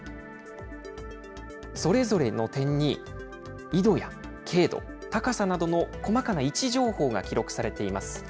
それぞれの点に、緯度や経度、高さなどの細かな位置情報が記録されています。